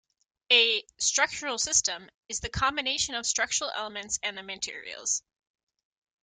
A "structural system" is the combination of structural elements and their materials.